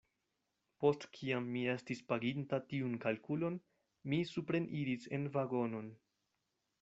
Post kiam mi estis paginta tiun kalkulon, mi supreniris en vagonon.